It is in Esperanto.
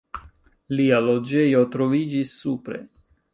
Lia loĝejo troviĝis supre.